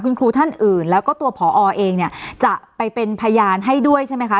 คุณครูท่านอื่นแล้วก็ตัวผอเองเนี่ยจะไปเป็นพยานให้ด้วยใช่ไหมคะ